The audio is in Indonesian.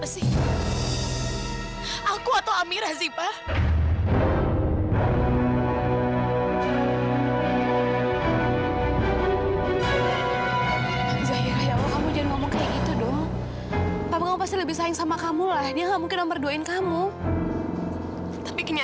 sampai jumpa di video selanjutnya